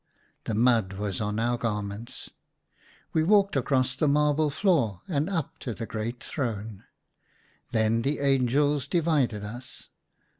The mud was on our garments. We walked across the marble floor, and up to the great throne. Then the angels divided us.